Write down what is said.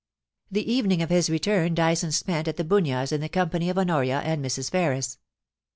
The evening of his return Dyson spent at The Bunyas, in the company of Honoria and Mrs. Ferris.